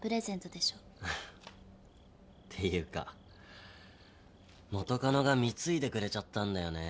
っていうか元カノが貢いでくれちゃったんだよね。